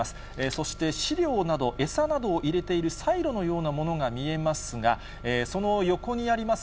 そして飼料など、餌などを入れているサイロのようなものが見えますが、その横にあります